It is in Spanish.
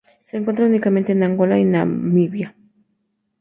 Se encuentra únicamente en Angola y Namibia.